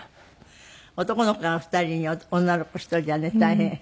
男の子が２人に女の子１人じゃね大変。